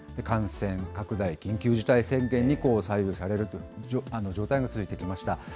感染拡大、緊急事態宣言に左右される状態が続いてきました。